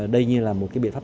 đây như là một cái biện pháp